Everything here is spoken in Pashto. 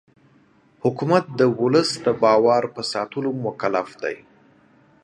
حکومت د ولس د باور په ساتلو مکلف دی